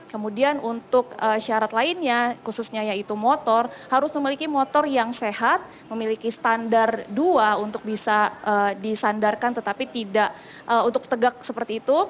kemudian untuk syarat lainnya khususnya yaitu motor harus memiliki motor yang sehat memiliki standar dua untuk bisa disandarkan tetapi tidak untuk tegak seperti itu